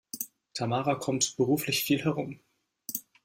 Tamara kommt beruflich viel herum.